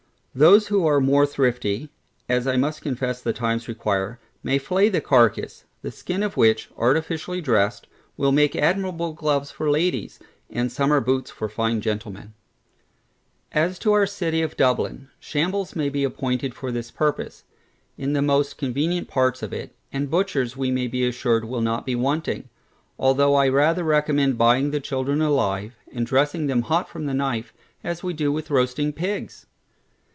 Those who are more thrifty (as I must confess the times require) may flay the carcass; the skin of which, artificially dressed, will make admirable gloves for ladies, and summer boots for fine gentlemen. As to our City of Dublin, shambles may be appointed for this purpose, in the most convenient parts of it, and butchers we may be assured will not be wanting; although I rather recommend buying the children alive, and dressing them hot from the knife, as we do roasting pigs.